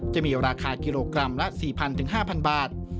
จะมีราคากิโลกรัมละ๔๐๐๕๐๐บาท